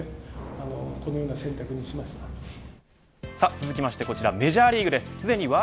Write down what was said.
続きましてこちらメジャーリーグです。